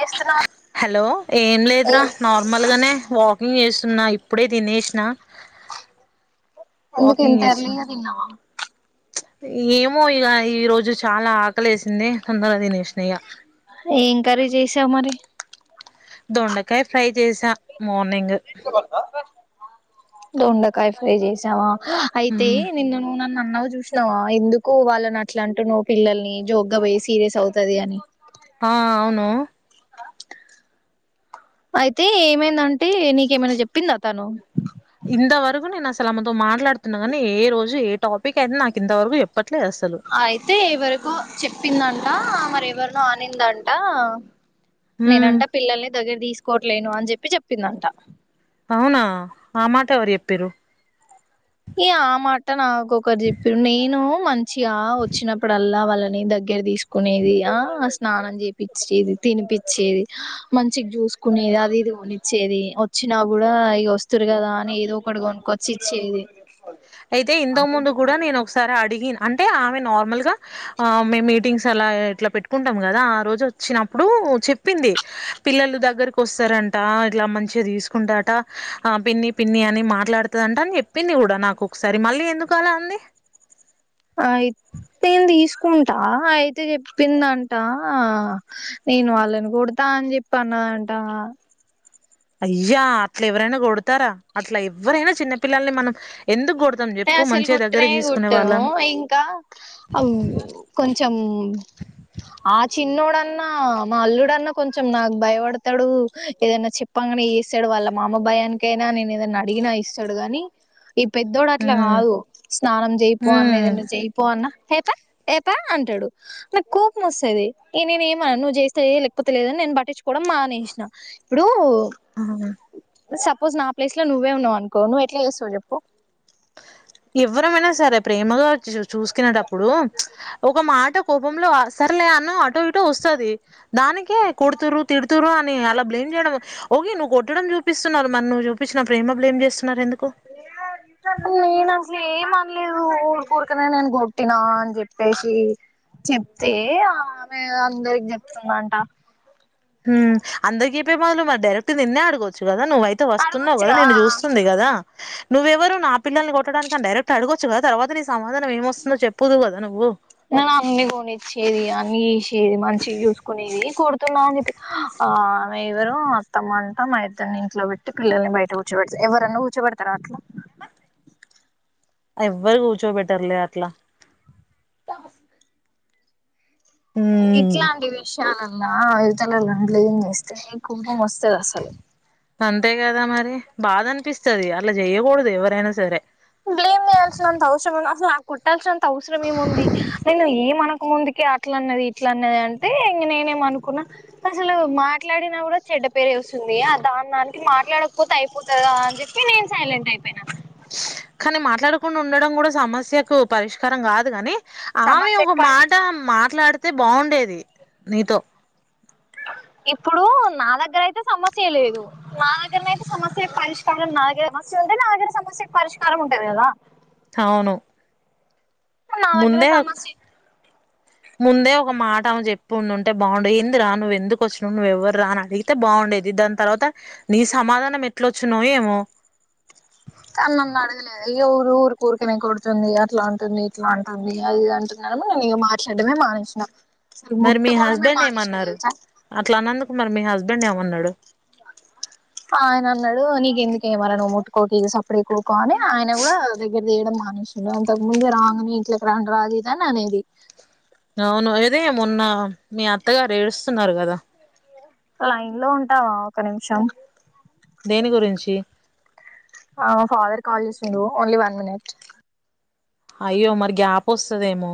చేస్తున్నావా హలో ఏం లేదురా నార్మల్ గానే వాకింగ్ చేస్ తున్నా ఇప్పుడే తినేసిన అందుకు వాకింగ్ ఇంత ఎర్లీ చేస్తున్నా గ తిన్నావా ఏమో ఇగ ఈ రోజు చాలా ఆకలేసింది తొందర తినేసిన ఇగ ఏం కర్రీ చేసావు మరి దొండకాయ ఫ్రై చేస మోన్ నింగ్ దొండకాయ ఫ్రై చేసావా అయితే ఉమ్, నిన్న నువు నన్ అన్న గు చూసినావా ఎందుకు వాళ్ళని అట్ల అంటునావ్ పిల్లల్ని జోగ్గా పోయి సీరియస్ అవుతది అని ఆ అవును అయితే ఏమైందంటే నీకేమైనా చెప్పింద తను ఇంతవరకు నేను అసలు ఆమె తో మాట్లాడుతున్నా గాని ఏ రోజు ఏ టాపిక్ అయితే నాకు ఇంతవరకు ఎప్పట్ అయితే ఎవరికో చెప్పిందన్ ట మరి ఎవరినో అనిందంట ఉమ్, నేనంటా పిల్లల్ని దగ్గర తీసుకోవట్లేను అన్ జేప్పి జేప్పిందంట అవునా ఆ మాట ఎవరు చెప్పిరు ఈ ఆ మాట నావు ఇంకొకరూ చెప్పిరు నేను మంచిగా వచ్చినప్పుడల్లా వాళ్ళని దగ్గర తీసుకునేది ఆ స్నానం చేపిచ్చేది తినిపిచ్చేది మంచిగా చూసుకునేది అది ఇది కొనిచ్చేది వచ్చినా కూడా ఇగ వస్తురు కదా అని ఏదో ఒకటి కొనుకచ్చి ఇచ్చేది అయితే ఇంతకు ముందు కూడ నేను ఒకసారి అడిగ అంటే ఆమె నార్మల్గా మేము మీటింగ్స్ అలా ఇట్లా పెట్టుకుంటాం కదా ఆ రోజు వచ్చినప్పుడు చెప్పింది పిల్లలు దగ్గరకి వస్తారంట ఇట్లా మంచిగా తీసుకుంటాట పిన్ని పిన్ని అని మాట్లాడుతుందంట అని చెప్పింది కూడా నాకు ఒకసారి మళ్ళీ ఎందుకులా అంది అయి నేను తీసుకుంటా అయితే చెప్పిందంట నేను వాళ్ళని కొడతా అని చెప్పి అన్నదాట అయ్యా అట్లా ఎవరైనా కొడుతారా అట్లా ఎవరైనా చిన్నపిల్లల్ని మనం ఎందుకు గడు అసలు కొట్టనే కొట్టను ఇంకా కొంచెం చిన్నడన్నా మా అల్లుడన్నా కొంచెం నాకు భయపడతాడు ఏదైనా చెప్పాంగానే చేస్తాడు వాళ్ళ మామ భయానికైనా నేను ఏదైనా అడిగినా ఇస్తాడు గాని ఈ పెద్ద అట్లా హ్మ్. కాదు స్నానం చెయిపోవ అన్న హ్మ్. ఏదైనా చెయిపో అన్న ఏపా అంటాడు నాకు కోపం వస్తేది నేనే ఏమ అనను నువ్వు చేస్తా లేకపోతే లేదని నేను పట్టించు కూడా మానేసిన ఇప్పుడు అవును. సపోజ్ నా ప్లేస్ లో నువ్వే ఉన్నావు అనుకో నువ్వు ఎట్లా చేస్తవవు చెప్పు ఎవ్వరమైనా సరే ప్రేమగా వచ్చ చూ చూసుకునేటప్పుడు ఒక మాట అంట కోపంలో సరలే అన్న అటో ఇటో వస్తుంది దానికీ కొడుతురు తిడుతరు అని అలా బ్లేమ్ చేయడం ఒక నువ్వు కొట్టడం చూపిస్తున్నారు మరి నువ్వు చూపించిన ప్రేమ బ్లేమ్ చేస్తున్నారు ఎందుకు నేనో అ ఏమ అనలేదు ఊడకఊరకనే నేను కొట్టినా అని చెప్పేసి చెప్తే ఆమె అందరికి చెప్తుందంట అందరికీప్పే బదులు మరి డైరెక్ట్ నిన్నే అడి చు కదా నువ్వైతే వస్తున్నావు కదా అడగొచ్చుగా నేను చూస్తుంది కదా నువ్వెవరు నా పిల్లలని కొట్టడానికి కానీ డైరక్ట్ గా అడొచ్చుదా తర్వాత సమాధానం ఏమొస్తుందో చెప్పుదువు కదా నువ్వు అ ది మంచి చూసుకునేది ఆమె ఎవరు అత్తమ్మ అంట మా ఇద్దరిని ఇంట్లో పెట్టి పిల్లల్ని బయట కూర్చోపెడతారు ఎవరన్నా కూర్చోబెడతారా అట్లా ఎవ్వరు కూర్చో పెట్టర్లే అట్లా ఇట్ల హ్మ్ అండి విషయాలు లా వితల లండ్లు ఏం చేస్తే కోపం వస్తుది అసలు అంతే కదా మరి బాధ అనిపిస్తుంది అట్లా చెయకూడదు ఎవరైనా సరే బ్లేమ్ చేయాల్సిన అంత అవసరం అసలా కొట్టాల్సి అంత అవసరం ఏముంది నేను ఏమన ముందుకి అట్ల అన్నది ఇట్ల అన్నది అంటే ఇంక నేనేమ అనుకున్నా అసలు మాట్లాడినా కూడా చెడ్డ పేరు వస్తుంది దాని దానికి మాట్లాడకపోతే అయిపోతుందా అని చెప్పి నేను సైలెంట్ అయిపోయినా కానీ మాట్లాడు డు ఉండడం కూడా సమస్యకు పరిష్కారం కాదు కాని ఆమె సమస్య ఒక పరిష్ మాట మాట్లాడుత అయితే బాగుండేది నీతో ఇప్పుడు నా దగ్గర అయితే సమస్య లేదు నా దగ్గరన అయితే సమస్య పరిష్కారం నా దగ్గర సమస్య నా దగ్గర సమస్య పరిష్కారం ఉంటది కదా అవును నా దగ్గర ముందే సమస్య ముందే ఒక మాట అ చెప్పి ఉండు ఉంటే బాగుండేది ఏంది రా నువ్వు ఎందుకు వచ్చిన నువు నువ్వుఎవర్ రా అని అడిగితే బాగుండేది దాని తర్వాత నీ సమాధానం ఎట్ల అచ్చునో ఏమో అ నన్ను అడగలేదు ఊరు ఊరి కూరికనే కొడుతుంది అట్లా అంటుంది ఇట్లా అంటుంది అది అంటుందనీ నేను ఇ మాట్లాడడమే మానేసిన అసలు మరి మీ ముట్టుకోవడమే హస్బెండ్ మానేసిన ఏమన్నారు తెలుసా అట్లా అన్నందుకు మరి మీ హస్బెడ్ హస్బెండ్ ఏమన్నాడు ఆయన ఆన్నాడు నీకు ఎందుకే మల్ల మొత్తుకోకు ఇగ సప్పుడు కానీ ఆయన కూడా దగ్గర రానియ్యడం మానేశాడు అంతకు ముందు రాంగ్నే ఇట్లకి రం రాదుదని అనేది అవును అదే మొన్న మీ అత్తగారు ఏడుస్తున్నారు కదా లైన్ లో ఉంటావా ఒక నిమిషం దేని గురించి ఆ ఫాదర్ కాల్ చేసిండూ ఓన్లీ వన్ మినిట్ అయ్యో మరి గ్యాప్ వస్తదేమో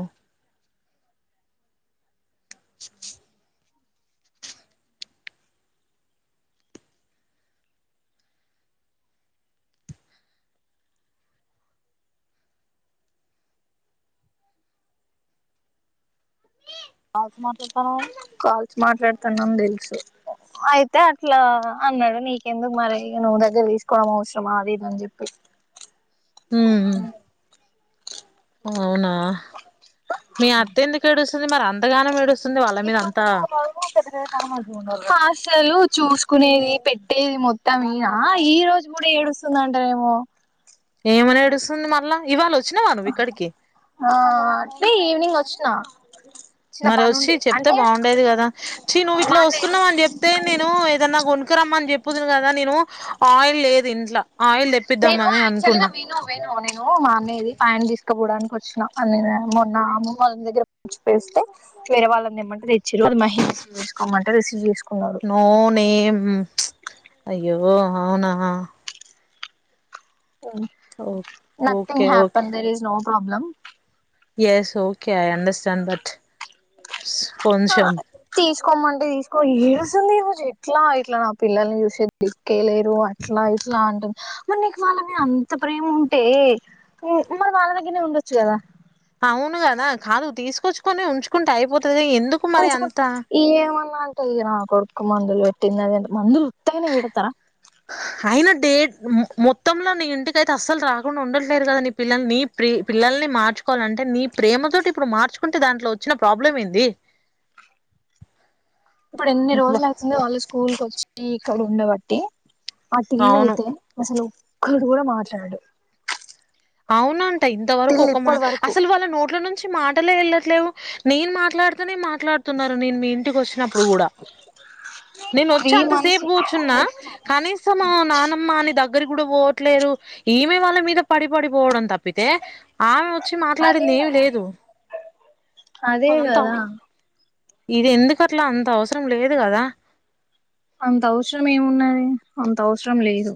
అ టమాటర్ బా కాల్ [inaudible] మాట్లాడుతున్నాని తెలిసి అయితే అట్లా అన్నాడు నీకెందుకు మరి నువ్వు దగ్గర తీసుకోవడం అవసరం ఆది ఇదని చెప్పి ఓక ఉమ్ అవునా మీ అత్త ఎందుకు ఏడుస్తుంది మరి అంతగానం ఏడుస్తుంది వాళ్ళ మీద అంతా అసలు చూసుకునేది పెట్టేది మొత్తంనా ఈ రోజు కూడా ఏడుస్తుందంటారేమో ఏమని ఏడుస్తుంది మళ్ళా ఇవాళ వచ్చినావా నువ్వు ఇక్కడికి ఆ అంటే ఈవినింగ్ వచ్చి న్నా మరి వచ్చి చెప్తే బాగుండేది కదా చ నువ్వు మా ఇట్లా అన్నయ్యది వస్తున్నావు అని చెప్తే నేను ఏదన్నా కొనుకురమ్మ అని చెప్పది కదా నేను ఆయిల్ లేదు ఇంట్లో నేను యాక్చువల్ గా విను వేను నేను మా అన్నది పైన తీసుకు కి పోవడానికి వచ్చినా మొన్న అమ్మ వాళ్ళ దగ్గర [inaudible] పేస్తే వేరే వాళ్ళను దెమ్మంటే తెచ్చిర్రు అది మహేసు [inaudible] కోమంటే రిసీవ్ చేస్ నో నేమ్ అయ్యో ఓ అవునా ఓ okay nothing happen there is no problem yes okay I understand that కొంచెం కోమంటే తీసుకో ఈ ఏడుసింది ఈ రోజు ఎట్లా ఇట్లా నా పిల్లల్ని చూసిద్ది క్కేలేరు అట్లా ఇట్లా అంటుంది మరి నీకు వాళ్ళ మీద అంత ప్రేమ ఉంటే మరి వాళ్ళ దగ్గరనే ఉండొచ్చు కదా అవును కదా కాదు తీసుకొచ్చుకని ఉంచుకుంటే అయిపోతు ఎందుకు మరి అంతా ఈ నా కొడుకు మందులు ఎట్టిందదేంత మందులు ఉుట్టగానే విడతారా అయినా డే మొత్తంలో నీ ఇంటిక అయితే అస్సలు రాకుండా ఉండట్లేరు కదా నీ పిల్లని నీ ప్రే పిల్లల్ని మార్చుకోవాలంటే నీ ప్రేమ తోటి ఇప్పుడు మార్చుకుంటే దాంట్లో వచ్చిన ప్రాబ్లం ఏంది ఇప్పుడు ఎన్ని అబ్బా! రోజులు అవుతుంది వాళ్ళు స్కూల్ క వచ్చి క్క ఉండబటి ఆట్ ఇల్ అవును. అయితే మసలు ఒక్కటి కూడా మాట్లాడు అవునం ఇంత వరకు ఒక మా అసలు వాళ్ళ నోట్ల నుంచి మాటలే వెళ్ళట్లేవు నేను మాట్లాడుతనే మాట మాట్లాడుతున్నారు నేను మీ ఇంటికి వచ్చినప్పుడు కూడా నేను వచ్చి త్రీ మంత్స్ అంతసేపు కూర్చున్నా కనీసం నానమ్మని దగ్గరి కూడా పోట్లేరు ఈమె వాళ్ళ మీద పడి పడిపోవడం తప్పితే ఆమె వచ్చి అదే మాట్లాడింది ఏమి కదా లేదు అదే అదంతా కదా ఇది ఎందుకట్లా అంత అవసరం లేదు కదా అంత అవసరం ఏమున్నది అంత అవసరం లేదు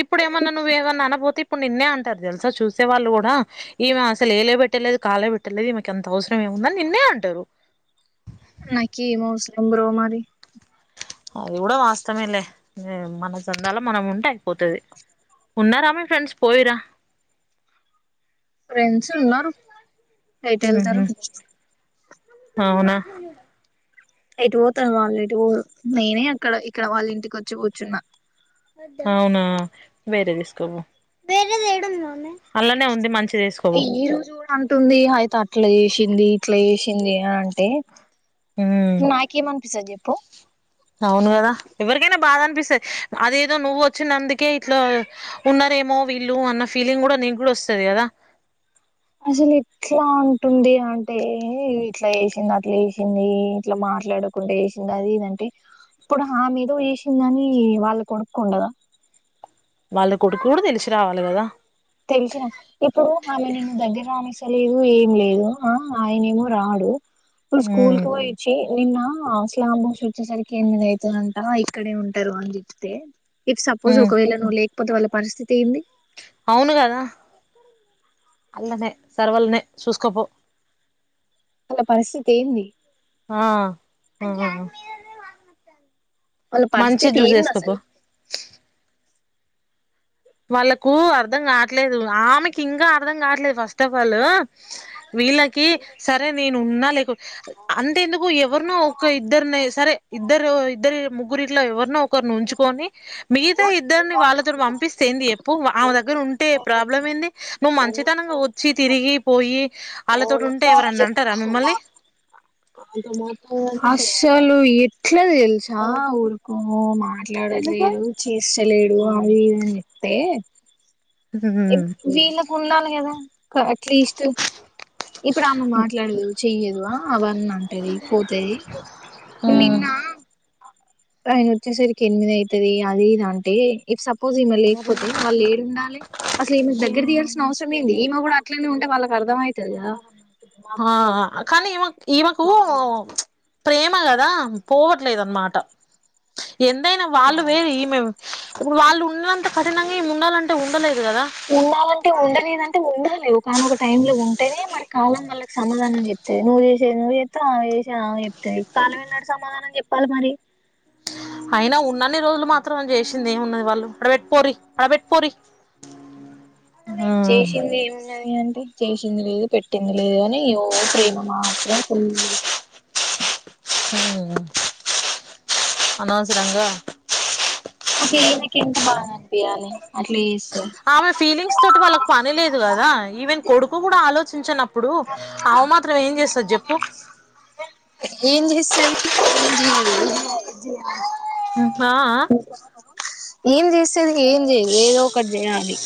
ఇప్పుడు ఏమన్నా నువ్వు ఏమన్నా అన పోతే ఇప్పుడు నిన్నే అంటారు తెలుసా చూసే వాళ్లు కూడా ఈమె అసలు ఏలే పెట్టలేదు కాలే పెట్టలేదు ఈమెకి అంత అవసరం ఏముందని నిన్నే అంటారు నాకిీ ఏం అవసరం బ్రో మరి అది కూడా వాస్తవంలే మన చందలో మనం ఉంటే అయిపోతది ఉన్నారా మీ ఫ్రెండ్స్ పోయిరా ఫ్రెండ్స్ ఉన్నారు నైట్ వెళ్తారు అవునా ఎటు పోతారు వాళ్లు ఎటు పోరు నేనే అక్కడ ఇక్కడవాళ్ల ఇంటికి వచ్చి కూర్చున్నా అవునా వేరే తీసుకో పో అల్లానే ఉంది మంచి ఈ రోజు కూడా అంటుంది అయితే ఇట్లా చేసింది ఇట్లా చేసింది అంటే నాకు ఏమనిపిస్తది చెప్పు ప్పు అవును కదా ఎవరికైనా బాద అని పిస్తుంది అదేదో నువ్వు వచ్చినందుకే ఇట్లా ఉన్నారేమో వీళ్లు అన్న ఫీలింగ్ కూడా నీకు కూడా వస్తది కదా అసలు ఎట్లా అంటుంది అంటే ఇట్లా చేసింది అట్లా చేసింది ఇట్లా మాట్లాడకుండా చేసింది అది ఇదంటే ఇప్పుడు ఆమేదో చేసిందని వాళ్ళ కొడుకు ఉండదా వాళ్ల కొడుకు కూడా తెలిసి రావాలి కదా తెలిసిన ఇప్పుడు ఆమె నిన్ను దగ్గర రానిస్త లేదు ఏం లేదు అ ఆయన ఏమో రాడు ఇప్పుడు స్కూల్ ఉమ్ కి పోయిచ్చి నిన్న ఆ స్లాంబ్ బోష్ వచ్చేసరికి ఎనిమిది అయితదంట ఇక్కడే ఉంటారు అని చెప్తే ఇఫ్ సపోజు ఒకవేళ నువ్ లే పోతే వాల పరిస్థితి ఏంది అవ్ ను కదా అల్లనే సర్వల్ నే చూస్ కోపో అలా పరిస్థితి ఏంది అ ఉమ్ ఆపిల్ మా వాల పరిస్థితి ఏంది అసల్ వాళ్లకు అర్ధం గాట్లేదు ఆమెకి ఇంకా అర్ధం గాట్లేదు ఫస్ట్ ఆఫ్ ఆల్ వీళ్లకి సరే నేను ఉన్నా లేక అంత ఎందుకు ఎవరునో ఒక ఇద్దర్ని సరే ఇద్దరు ఇద్దరి ముగ్ రిట్లో ఎవర్ ర్నో ఒకరిని ఉంచుకొని మితా ఇద్దరిని వాళ్ళతోటి పంపిస్ ఏంది చెప్పు ఆమె దగ్గర ఉంటే ప్రాబ్లం ఏంది నువ్వు మంచితనంగా వచ్చి తిరిగి పోయి వాళ్ళతోటి ఉంటే తరువాత్ ఎవరన్నా అంటారా చెప్తా మిమ్మల్ని అసలు ఎట్లా తెలుసా ఊరుకో మాట్లాడట్లేదు చేస్తలేడు అవి ఇవి చెప్తే ఏ వీళ్ళకు ఉండాలి కదా, అట్లీస్ట్ ఇప్పుడు ఆమే మాట్లాడదు చెయ్యదు అ అవన్నీ అంటది పోతది నిన్న ఆయన వచ్చేసరికి ఎనిమిది అయితది అది ఇది అంటే ఇఫ్ సపోజ్ ఈమె లేకపోతే వాళ్లు ఏడుండాలి, అసలు ఈమెకు దగ్గర తీయాల్సిన అవసరం ఏంది ఈమె కూడా అట్లనే ఉంటే వాళ్లకి అర్థం అయితది కదా. ఆ అ కానీ ఈమె ఈమెకు ప్రేమ కదా పోవట్లేదన్ మాట ఎందైన వాళ్ళు వేరు ఈ మే వాళ్ళు ఉంనంత కఠినం ఇమే ఉండాలంటే ఉండలేదు కదా ఉండాలంటే ఉండలేదన్ అంటే ఉండలేదు కాని ఒకనొక టైమ్ లో ఉంటేనే మరి కాలం వాళ్ళకి సమాధానం చెప్తది. నువ్వు చేసేది నువ్వు చేస్తవు ఆమే చేసేది ఆమె చెప్తది కాలం ఎన్నాడు సమాధానం చెప్పాలి మరి అయినా ఉన్నన్ని రోజులు మాత్రం చేసింది ఏమున్నది వాళ్ళు అడ్ పెట్టుపోరి అడ్ పెట్టుపోరి చేసింది ఏమున్న ఊ అంటే చేసింది లేదు పెట్టింది లేదు అని ఓ ప్రేమ మాత్రం ఫుల్గా హు అనవస రంగా అసల ఈమే కేఎంత బాదనిపియాలే అట్లిస్ ఆమె ఫీలింగ్స్ తోటి వాళ్ళకి పని లేదు గదా ఈవెన్ కొడుకు గూడ ఆలోచ్ చున్ చనప్ ఇప్పుడు ఆవు మాత్రం ఏం చేస్తంది జేప్పు ఏం జెస్తాది ఏం జేయదు హ్మ్ అ ఆ ఏం జెస్ చెల్ హెమ్ జెయదు ఏదో ఒకటి జెయాలి